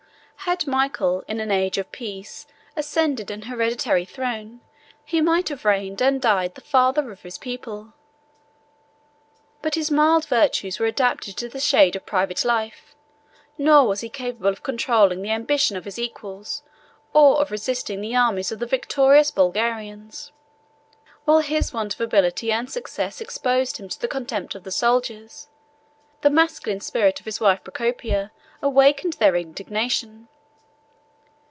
Had Michael in an age of peace ascended an hereditary throne, he might have reigned and died the father of his people: but his mild virtues were adapted to the shade of private life, nor was he capable of controlling the ambition of his equals, or of resisting the arms of the victorious Bulgarians. While his want of ability and success exposed him to the contempt of the soldiers, the masculine spirit of his wife Procopia awakened their indignation.